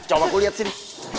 coba aku lihat sini